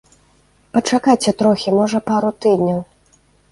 Пачакайце трохі, можа, пару тыдняў.